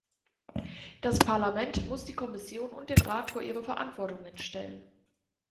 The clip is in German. Das Parlament muss die Kommission und den Rat vor ihre Verantwortungen stellen.